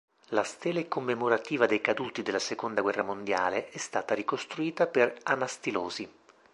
La Stele Commemorativa dei Caduti della Seconda Guerra Mondiale è stata ricostruita per anastilosi.